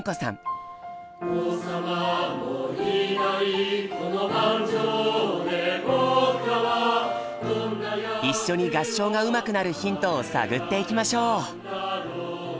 「王様もいないこの盤上で僕らは」一緒に合唱がうまくなるヒントを探っていきましょう！